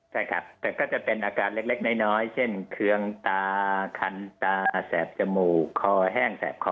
ใช่ครับแต่ก็จะเป็นอาการเล็กน้อยเช่นเคืองตาคันตาแสบจมูกคอแห้งแสบคอ